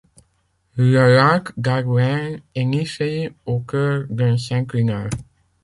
Le lac d'Arvouin est niché au cœur d'un synclinal.